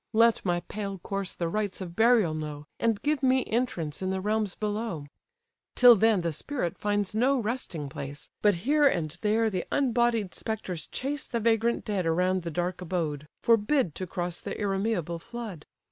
Let my pale corse the rites of burial know, And give me entrance in the realms below: Till then the spirit finds no resting place, But here and there the unbodied spectres chase The vagrant dead around the dark abode, Forbid to cross the irremeable flood.